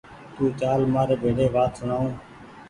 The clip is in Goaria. تو چآل مآر ڀيڙي وآت سوڻآئو